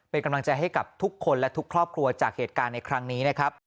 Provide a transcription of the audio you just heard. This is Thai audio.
เป็นกำลังใจให้กับทุกคนและทุกครอบครัวจากเหตุการณ์ในครั้งนี้นะครับ